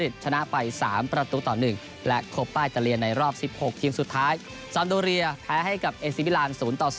๖ทิ้งสุดท้ายซัมโดเรียแพ้ให้กับเอซีวิลาน๐ต่อ๒